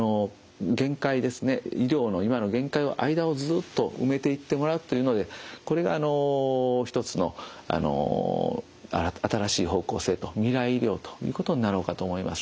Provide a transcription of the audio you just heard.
医療の今の限界を間をずっと埋めていってもらうというのでこれがあの一つの新しい方向性と「みらい医療」ということになろうかと思います。